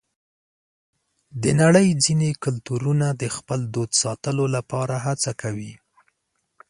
د نړۍ ځینې کلتورونه د خپل دود ساتلو لپاره هڅه کوي.